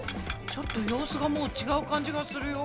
ちょっと様子がもうちがう感じがするよ。